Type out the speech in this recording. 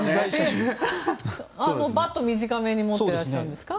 バット、短めに持っていらっしゃるんですか？